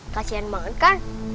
kasihan banget kan